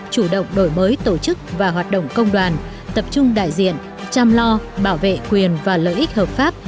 chủ động đổi mới tổ chức và hoạt động công đoàn tập trung đại diện chăm lo bảo vệ quyền và lợi ích hợp pháp